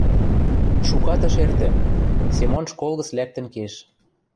Шукат ӹш эртӹ, Семон школ гӹц лӓктӹн кеш.